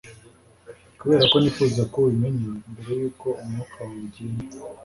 kuberako nifuza ko ubimenya, mbere yuko umwuka wawe ugenda